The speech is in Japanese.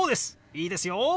いいですよ！